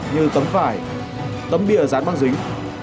như tấm vải tấm bia dán băng dính